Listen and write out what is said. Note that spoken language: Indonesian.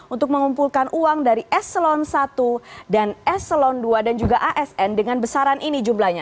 untuk mengumpulkan uang dari eselon i dan eselon ii dan juga asn dengan besaran ini jumlahnya